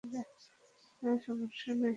না, সমস্যা নেই।